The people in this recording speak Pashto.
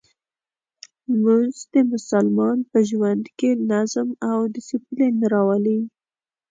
لمونځ د مسلمان په ژوند کې نظم او دسپلین راولي.